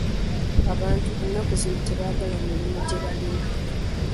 Abantu ennaku zino tebaagala mirimu gye balina.